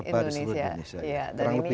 kurang lebih ya